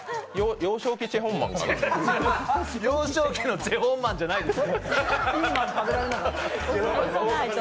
幼少期のチェ・ホンマンじゃないですよ。